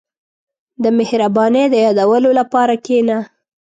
• د مهربانۍ د یادولو لپاره کښېنه.